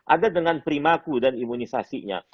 ada dengan perimaku dan imunisasinya